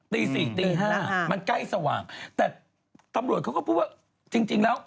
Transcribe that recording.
ตี๔ตี๕มันใกล้สว่างแต่ตำรวจเขาก็พูดว่าจริงแล้ว